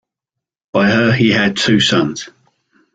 By her he had two sons.